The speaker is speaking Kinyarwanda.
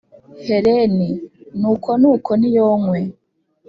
helen: ni uko, ni uko; niyonkwe.